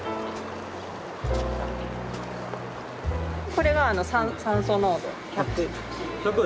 これが酸素濃度１００。